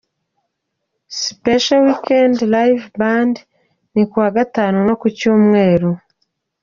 Special Weekend live Band ni ku wa Gatanu no ku Cyumweru